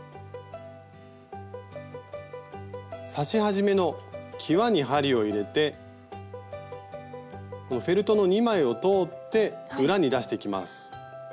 刺し始めのきわに針を入れてフェルトの２枚を通って裏に出していきます。